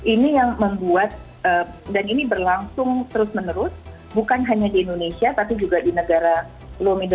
ini yang membuat dan ini berlangsung terus menerus bukan hanya di indonesia tapi juga di negara low middle